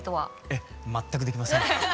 ええ全くできません。